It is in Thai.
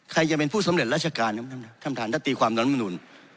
ใครจะเป็นผู้สำเร็จราชการท่านท่านตีความรัฐมนุน